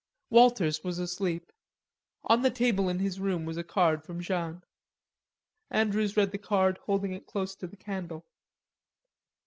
Walters was asleep. On the table in his room was a card from Jeanne. Andrews read the card holding it close to the candle.